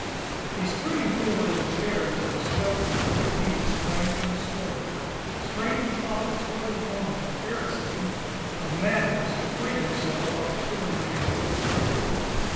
He strained forward in the chair until the sweat in great beads sprang from his forehead, strained and fought and tore at his bonds in a paroxysm of madness to free himself while there still remained a little strength.